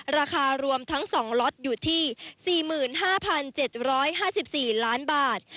ราคารวมทั้ง๒ล็อตอยู่ที่๔๕๗๕๔ล้านบาท